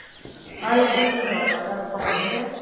آیا پښتون یو وفادار قوم نه دی؟